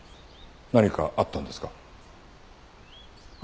何かあったんですか？